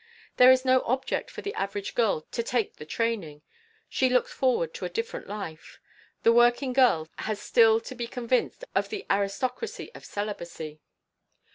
There is no object for the average girl to take the training. She looks forward to a different life. The working girl has still to be convinced of the "aristocracy of celibacy"!